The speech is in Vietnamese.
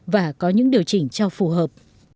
và có những điều chỉnh cho phù hợp